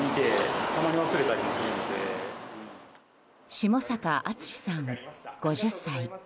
下坂厚さん、５０歳。